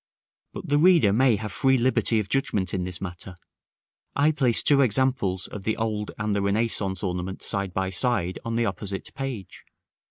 But that the reader may have free liberty of judgment in this matter, I place two examples of the old and the Renaissance ornament side by side on the opposite page.